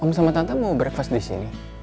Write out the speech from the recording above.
kamu sama tante mau breakfast di sini